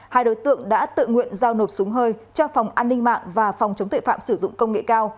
hai đối tượng đã tự nguyện giao nộp súng hơi cho phòng an ninh mạng và phòng chống tuệ phạm sử dụng công nghệ cao